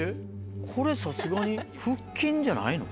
これさすがに腹筋じゃないの？